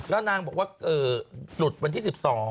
แล้วนางบอกว่าหลุดวันที่๑๒